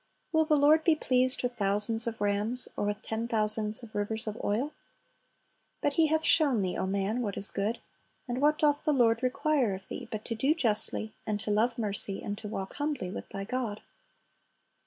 Will the Lord be pleased with thousands of rams, or with ten thousands of rivers of oil?" But "He hath showed thee, O man, what is good ; and what doth the Lord require of thee, but to do justly, and to love mercy, and to walk humbly with thy God?"